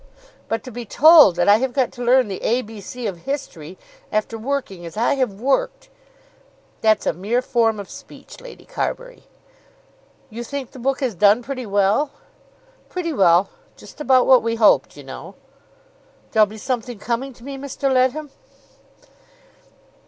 "But to be told that I have got to learn the ABC of history, after working as I have worked!" "That's a mere form of speech, Lady Carbury." "You think the book has done pretty well?" "Pretty well; just about what we hoped, you know." "There'll be something coming to me, Mr. Leadham?"